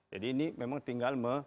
jadi ini memang tinggal